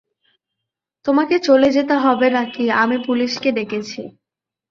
তোমাকে চলে যেতে হবে নাকি আমি পুলিশকে ডাকছি?